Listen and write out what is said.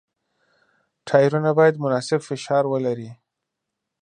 ټایرونه باید مناسب فشار ولري.